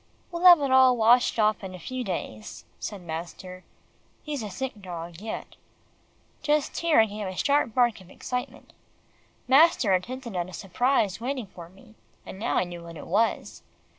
"We'll have it all washed off in a few days," said master. "He's a sick dog yet." Just here, I gave a sharp bark of excitement. Master had hinted at a surprise waiting for me, and now I knew what it was.